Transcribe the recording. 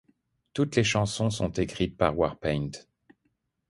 Toutes les chansons sont écrites par Warpaint.